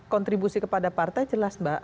kontribusi kepada partai jelas mbak